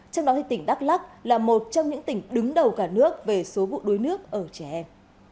trong đó tỉnh đắk lắc là một trong những tỉnh đứng đầu cả nước về số vụ đuối nước ở trẻ em